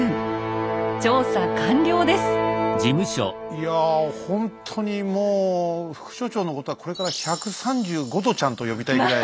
いやほんとにもう副所長のことはこれから「１３５度ちゃん」と呼びたいぐらい。